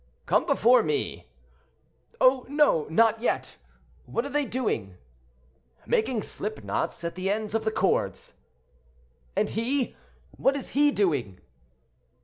"Come before me." "Oh, no! not yet. What are they doing?" "Making slip knots at the ends of the cords." "And he—what is he doing?"